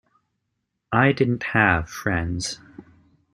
I didn't have friends.